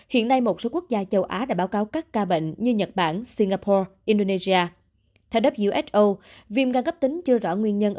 hiện nay một số quốc gia châu á đã báo cáo các ca bệnh như nhật bản singapore indonesia